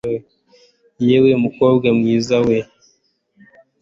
yewe mukobwa mwiza we